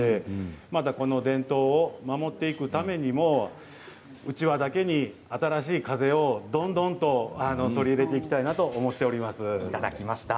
この伝統を守っていくためにもうちわだけに新しい風をどんどんと取り入れていきたいなといただきました。